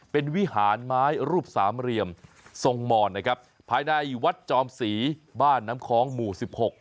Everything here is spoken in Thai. เป็นวิหารไม้รูปสามเหลี่ยมทรงหมอนนะครับภายในวัดจอมศรีบ้านน้ำคล้องหมู่สิบหก